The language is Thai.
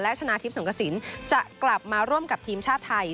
ชนะทิพย์สงกระสินจะกลับมาร่วมกับทีมชาติไทย